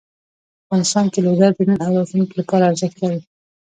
افغانستان کې لوگر د نن او راتلونکي لپاره ارزښت لري.